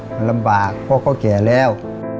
มันลำบากพ่อก็แก่แล้ว